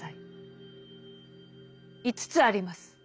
『五つあります。